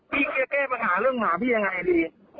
พี่จะแก้ปัญหาเรื่องหมาพี่ยังไงดี